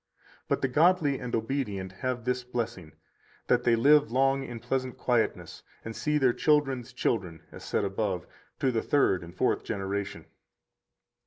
But the godly and obedient have this blessing, that they live long in pleasant quietness, and see their children's children (as said above) to the third and fourth generation.